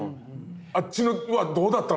あっちのはどうだったのって。